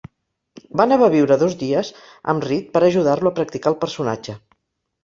Bana va viure dos dies amb Read per ajudar-lo a practicar el personatge.